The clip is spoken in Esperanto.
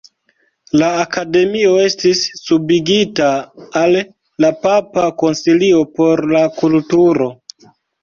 La Akademio estis subigita al la Papa Konsilio por la Kulturo.